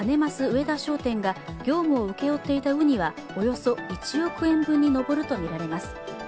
上田商店が業務を請け負っていたうにはおよそ１億円分に上るとみられます